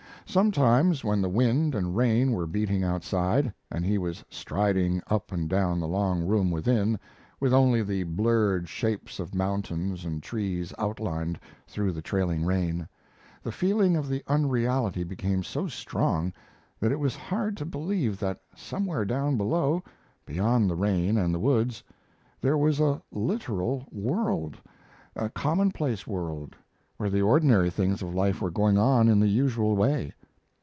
Sometimes, when the wind and rain were beating outside, and he was striding up and down the long room within, with only the blurred shapes of mountains and trees outlined through the trailing rain, the feeling of the unreality became so strong that it was hard to believe that somewhere down below, beyond the rain and the woods, there was a literal world a commonplace world, where the ordinary things of life were going on in the usual way.